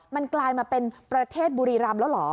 มันกลายมาเป็นประเทศบุรีรำแล้วเหรอ